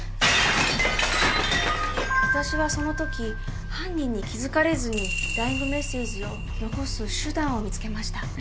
私はそのとき犯人に気付かれずにダイイングメッセージを残す手段を見つけました。